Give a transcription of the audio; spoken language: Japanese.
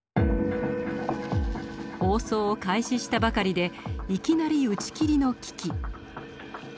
放送を開始したばかりでいきなり打ち切りの危機。